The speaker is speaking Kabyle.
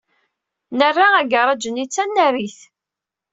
Nerra agaṛaj-nni d tanarit.